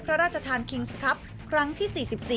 พระราชทานคิงส์ครับครั้งที่๔๔